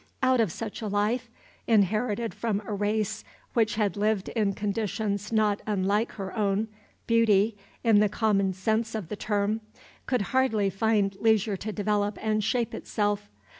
Out of such a life, inherited from a race which had lived in conditions not unlike her own, beauty, in the common sense of the term, could hardly find leisure to develop and shape itself.